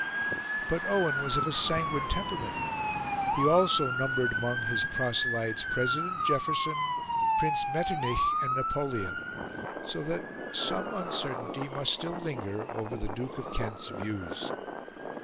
But Owen was of a sanguine temperament. He also numbered among his proselytes President Jefferson, Prince Metternich, and Napoleon; so that some uncertainty must still linger over the Duke of Kent's views.